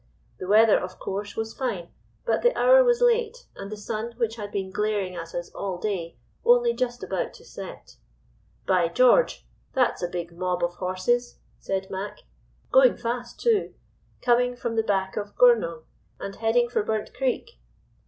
The weather (of course) was fine, but the hour was late, and the sun, which had been glaring at us all day, only just about to set. "'By George! that's a big mob of horses,' said Mac., 'going fast too. Coming from the back of Goornong and heading for Burnt Creek.